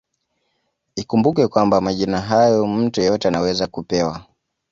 Ikumbukwe kwamba majina hayo mtu yeyote anaweza kupewa